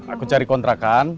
aku cari kontrakan